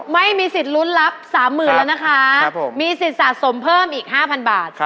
ไม่มีสิทธิ์ลุ้นรับ๓๐๐๐แล้วนะคะมีสิทธิ์สะสมเพิ่มอีก๕๐๐บาท